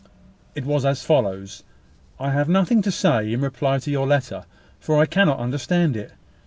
It was as follows: "I have nothing to say in reply to your letter, for I cannot understand it.